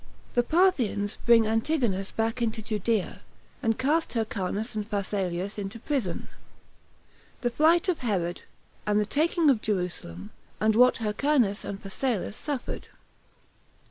The Parthians Bring Antigonus Back Into Judea, And Cast Hyrcanus And Phasaelus Into Prison. The Flight Of Herod, And The Taking Of Jerusalem And What Hyrcanus And Phasaelus Suffered.